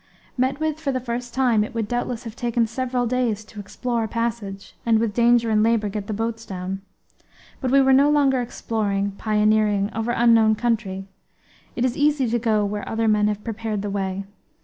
Met with for the first time, it would doubtless have taken several days to explore a passage and, with danger and labor, get the boats down. But we were no longer exploring, pioneering, over unknown country. It is easy to go where other men have prepared the way.